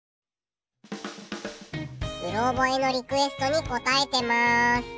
・うろ覚えのリクエストに応えてます。